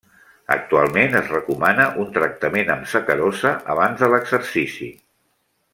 Actualment es recomana un tractament amb sacarosa abans de l'exercici.